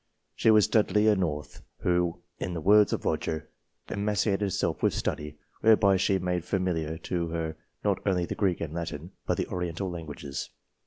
She was a Dudley North, who, in the words of Roger, " emaciated herself with study, whereby she had made familiar to her not only the Greek and Latin, but the Oriental languages."